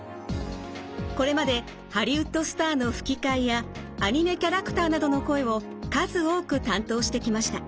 これまでハリウッドスターの吹き替えやアニメキャラクターなどの声を数多く担当してきました。